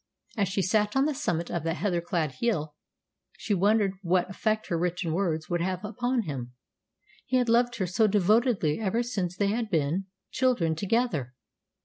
As she sat on the summit of that heather clad hill she was wondering what effect her written words would have upon him. He had loved her so devotedly ever since they had been children together!